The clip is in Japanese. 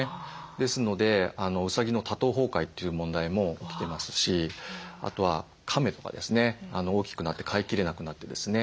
ですのでうさぎの多頭崩壊という問題も起きてますしあとはカメとかですね大きくなって飼いきれなくなってですね